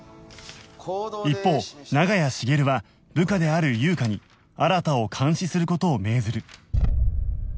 一方長屋茂は部下である優香に新を監視する事を命ずる